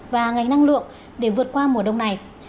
và ngành năng lượng để vượt qua mùa đông này